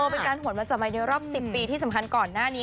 เป็นการหวนมาจับใหม่ในรอบ๑๐ปีที่สำคัญก่อนหน้านี้